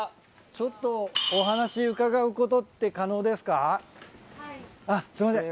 ちょっとお話伺うことって可能ですか？